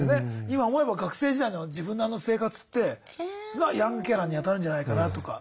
今思えば学生時代の自分のあの生活ってがヤングケアラーに当たるんじゃないかなとか。